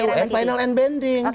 putusan pt un final and bending